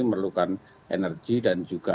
memerlukan energi dan juga